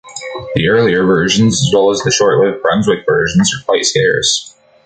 The earlier versions, as well as the short-lived Brunswick versions, are quite scarce.